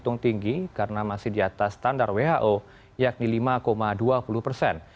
untung tinggi karena masih di atas standar who yakni lima dua puluh persen